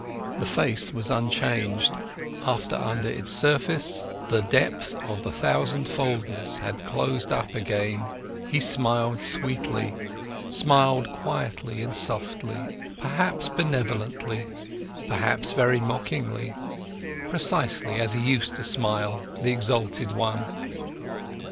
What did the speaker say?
The face was unchanged, after under its surface the depth of the thousand foldness had closed up again, he smiled silently, smiled quietly and softly, perhaps very benevolently, perhaps very mockingly, precisely as he used to smile, the exalted one.